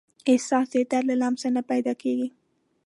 احساس د درد له لمس نه پیدا کېږي.